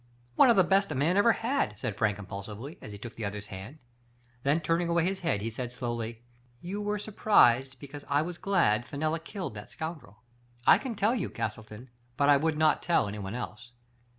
" One of the best a man ever had !" said Frank impulsively, as he took the other's hand. Then turning away his head, he said slowly : "You were surprised because I was glad Fenella killed that scoundrel. I can tell you, Castleton, but I would not tell anyone else.